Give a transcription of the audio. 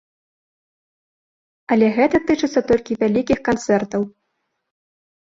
Але гэта тычыцца толькі вялікіх канцэртаў.